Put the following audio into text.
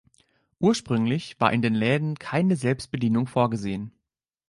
Ursprünglich war in den Läden keine Selbstbedienung vorgesehen.